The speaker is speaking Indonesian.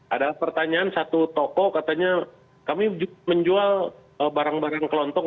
ada pertanyaan satu toko katanya kami menjual barang barang kelontong